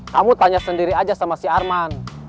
kamu tanya sendiri aja sama si arman